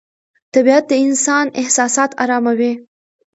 طبیعت د انسان احساسات اراموي